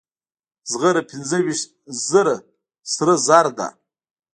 زغره پنځه ویشت زره سره زر ده.